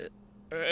え